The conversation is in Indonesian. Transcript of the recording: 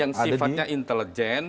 yang sifatnya intelijen